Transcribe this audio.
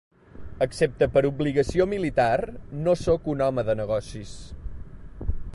Excepte per obligació militar, no soc un home de negocis.